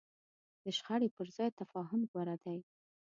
د شخړې پر ځای تفاهم غوره دی.